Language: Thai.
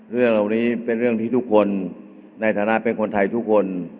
เรื่องเหล่านี้เป็นเรื่องที่ทุกคนในฐานะเป็นคนไทยทุกคน